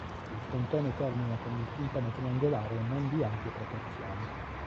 Il frontone termina con il timpano triangolare non di ampie proporzioni.